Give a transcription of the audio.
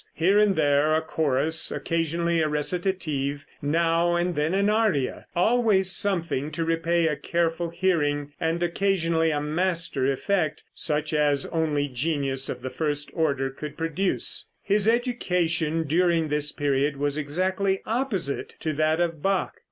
Here and there a chorus, occasionally a recitative, now and then an aria always something to repay a careful hearing, and occasionally a master effect, such as only genius of the first order could produce. His education during this period was exactly opposite to that of Bach.